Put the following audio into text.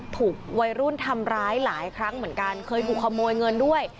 ถูกวัยรุ่นทำร้ายหลายครั้งเหมือนกันเคยถูกขโมยเงินด้วย